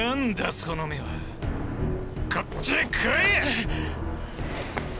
その目はこっちへ来い！